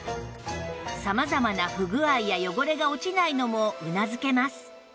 様々な不具合や汚れが落ちないのもうなずけます